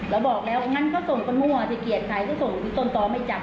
แล้วบอกแล้วงั้นก็ส่งกันมั่วสิเกลียดใครก็ส่งที่ต้นต่อไม่จับ